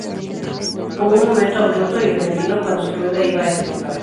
Como un momento abrupto y repentino cuando su rueda iba a explotar.